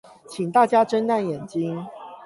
請大家睜亮眼睛